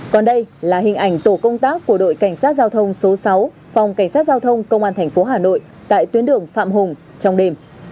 còn đây là hình ảnh tổ công tác của đội cảnh sát giao thông số sáu phòng cảnh sát giao thông công an tp hà nội tại tuyến đường phạm hùng trong đêm